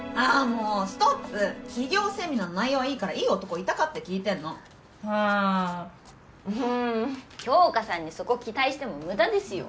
もうストップ起業セミナーの内容はいいからいい男いたかって聞いてんのああうーん杏花さんにそこ期待しても無駄ですよ